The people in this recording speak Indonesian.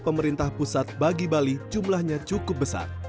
pemerintah pusat bagi bali jumlahnya cukup besar